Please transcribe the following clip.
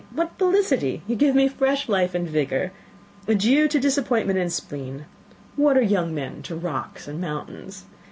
what felicity! You give me fresh life and vigour. Adieu to disappointment and spleen. What are men to rocks and mountains?